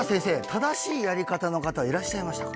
正しいやり方の方はいらっしゃいましたか？